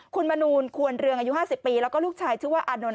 คุณมนูลควรเรืองอายุ๕๐ปีแล้วก็ลูกชายชื่อว่าอานนท